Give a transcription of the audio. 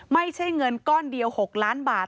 ไม่ใช่เงินก้อนเดียว๖ล้านบาท